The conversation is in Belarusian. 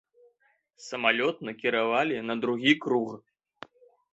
Самалёт накіравалі на другі круг.